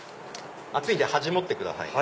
熱いんで端持ってくださいね。